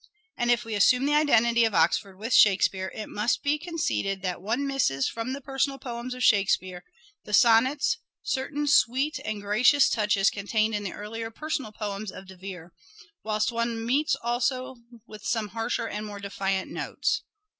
And if we assume the identity of Oxford with " Shakespeare " it must be conceded that one misses from the personal poems of Shakespeare, the sonnets, certain sweet and " gracious " touches con tained in the early personal poems of De Vere, whilst one meets also with some harsher and more defiant notes.